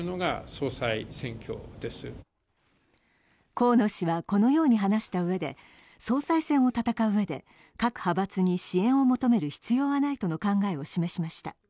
河野氏はこのように話したうえで総裁選を戦ううえで、各派閥に支援を求める必要はないとの考えを示しました。